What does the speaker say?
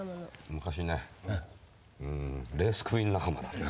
昔ねレースクイーン仲間なんだよ。